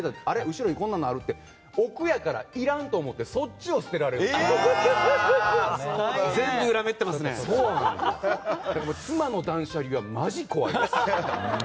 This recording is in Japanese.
後ろにこんなのあるって奥やからいらんと思って全部、裏めってますね。妻の断捨離はマジ怖いです。